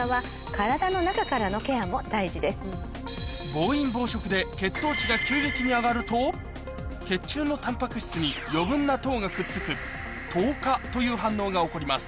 暴飲暴食で血糖値が急激に上がると血中のタンパク質に余分な糖がくっつく糖化という反応が起こります